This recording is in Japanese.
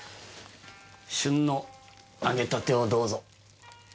旬の揚げたてをどうぞ。